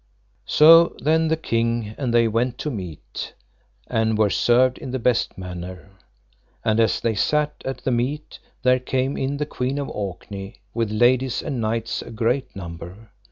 So then the king and they went to meat, and were served in the best manner. And as they sat at the meat, there came in the Queen of Orkney, with ladies and knights a great number.